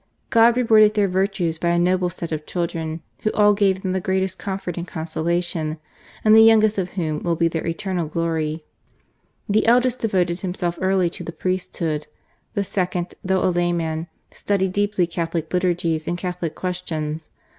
God rewarded their virtues by a noble set of children, who all gave them the greatest comfort and consolation, and the youngest of whom will be their eternal glory. EARLY YEARS. The eldest devoted himself early to the priest hood* The second, though a layman, studied deeply Catholic liturgies and Catholic questions.